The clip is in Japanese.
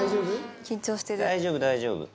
大丈夫、大丈夫。